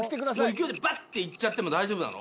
勢いでバッていっちゃっても大丈夫なの？